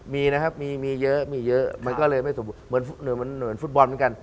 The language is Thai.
มีนะครับมีเยอะมีเยอะมันก็เลยไม่สมบูรณ์เหมือนฟุตบอลเหมือนกัน